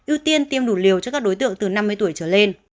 ưu tiên tiêm đủ liều cho các đối tượng từ năm mươi tuổi trở lên